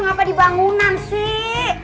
kenapa di bangunan sih